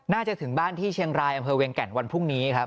ถึงบ้านที่เชียงรายอำเภอเวียงแก่นวันพรุ่งนี้ครับ